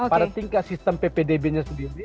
pada tingkat sistem ppdb nya sendiri